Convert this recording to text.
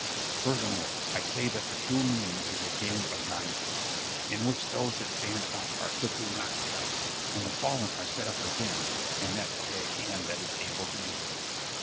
Furthermore, I say that the true meaning is a game of nine pins, in which those that stand up are quickly knocked down, and the fallen are set up again, and that by a hand that is able to do it.